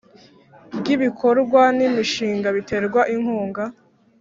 Rw ibikorwa n imishinga biterwa inkunga